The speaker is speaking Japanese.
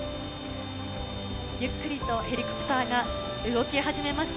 ゆっくりとヘリコプターが動き始めました。